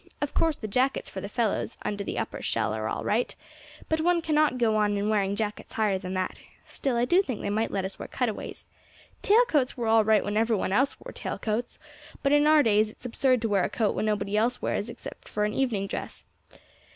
Of course the jackets for the fellows under the Upper 'Shell' are all right, but one cannot go on wearing jackets higher than that; still, I do think they might let us wear cutaways; tail coats were all right when every one else wore tail coats, but in our days it is absurd to wear a coat which nobody else wears except for an evening dress.